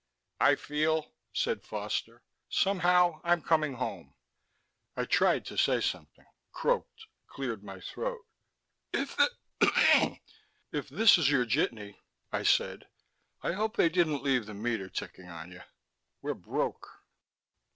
"I feel," said Foster, "somehow I'm coming home." I tried to say something, croaked, cleared my throat. "If this is your jitney," I said, "I hope they didn't leave the meter ticking on you. We're broke."